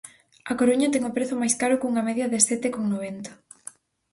A Coruña ten o prezo máis caro cunha media de sete con noventa.